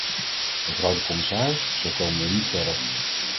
Mevrouw de commissaris, zo komen we niet verder.